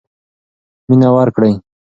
مینه ورکړئ.